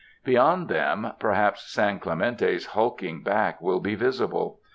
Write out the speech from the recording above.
Beyond them, per haps San Clemente's hulking back will be visible.